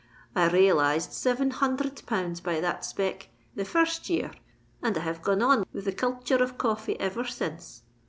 I rayalized seven hunthred pounds by that spec the first year; and I have gone on with the culthure of coffee ever since."